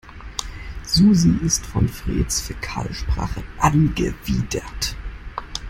Susi ist von Freds Fäkalsprache angewidert.